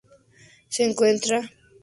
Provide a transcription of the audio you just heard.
Se encuentra al este de Sandy.